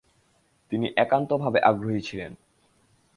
তিনি একান্তভাবে আগ্রহী ছিলেন।